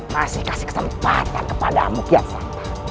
masih kasih kesempatan kepadamu kian santan